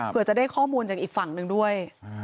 เพื่อจะได้ข้อมูลจากอีกฝั่งหนึ่งด้วย